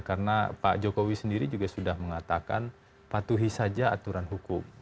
karena pak jokowi sendiri juga sudah mengatakan patuhi saja aturan hukum